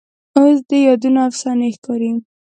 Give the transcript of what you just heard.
اوس دې یادونه افسانې ښکاري